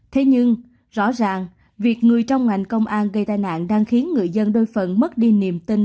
thế nhưng rõ ràng việc người trong ngành công an gây tai nạn đang khiến người dân đôi phần mất đi niềm tin